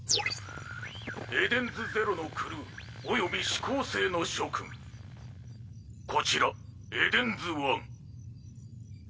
・エデンズゼロのクルーおよび四煌星の諸君・こちらエデンズワン。